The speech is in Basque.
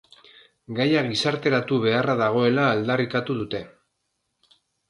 Gaia gizarteratu beharra dagoela aldarrikatu dute.